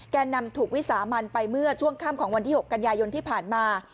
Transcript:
นำถูกวิสามันไปเมื่อช่วงค่ำของวันที่๖กันยายนที่ผ่านมา